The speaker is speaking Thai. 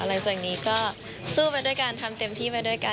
หลังจากนี้ก็สู้ไปด้วยกันทำเต็มที่ไปด้วยกัน